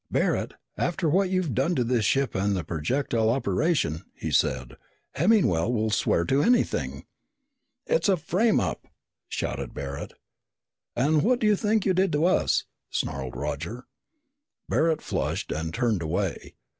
"Barret, after what you've done to his ship and the projectile operation," he said, "Hemmingwell will swear to anything." "It's a frame up!" shouted Barret. "And what do you think you did to us?" snarled Roger. Barret flushed and turned away.